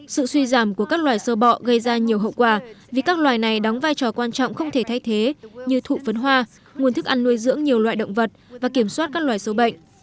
sự suy giảm của các loài sơ bọ gây ra nhiều hậu quả vì các loài này đóng vai trò quan trọng không thể thay thế như thụ phấn hoa nguồn thức ăn nuôi dưỡng nhiều loài động vật và kiểm soát các loài sâu bệnh